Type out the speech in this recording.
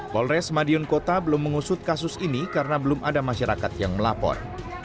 polres madiun kota belum mengusut kasus ini karena belum ada masyarakat yang melapor